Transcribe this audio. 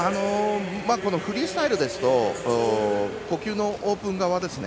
フリースタイルですと呼吸のオープン側ですね。